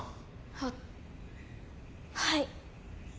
はっはい。